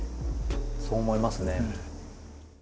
そう思いますね。